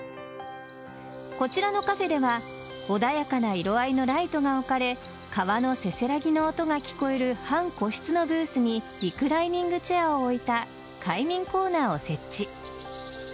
こちらのカフェでは穏やかな色合いのライトが置かれ川のせせらぎの音が聞こえる半個室のブースにリクライニングチェアを置いた快眠コーナーを設置。